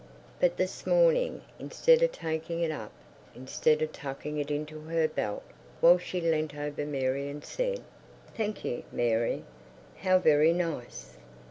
But this morning, instead of taking it up, instead of tucking it into her belt while she leant over Mary and said, "Thank you, Mary. How very nice!